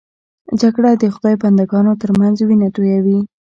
جګړه د خدای بنده ګانو تر منځ وینه تویوي